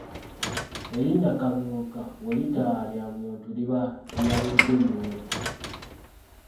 Erinnya Kamyuka bwe litaba lya muntu liba lya ngege myufu.